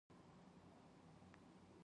هر ډول نشه د بدن ځواک له منځه وړي.